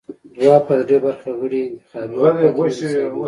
دوه پر درې برخه غړي یې انتخابي او پاتې نور انتصابي وو.